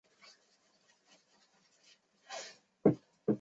香港已解散的托派组织中国无产者协会存在时也与该组织关系密切。